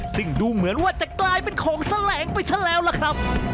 ซึ่งดูเหมือนว่าจะกลายเป็นของแสลงไปซะแล้วล่ะครับ